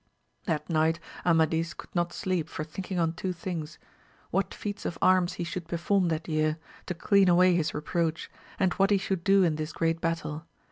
That night Amadis could not sleep for thinking on two things : what feats of arms he should perform that year, to clean away his reproach, and what he should do in this great battle.